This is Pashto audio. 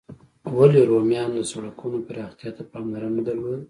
ولي رومیانو د سړکونو پراختیا ته پاملرنه درلوده؟